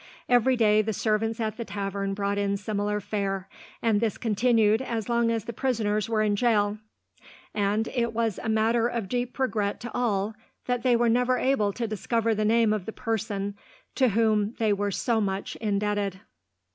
Every day, the servants at the tavern brought in similar fare, and this continued as long as the prisoners were in the jail; and it was a matter of deep regret, to all, that they were never able to discover the name of the person to whom they were so much indebted.